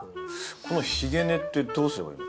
このひげ根ってどうすればいいの？